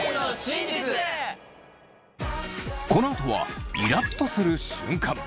このあとはイラっとする瞬間。